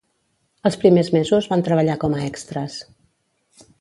Els primers mesos van treballar com a extres.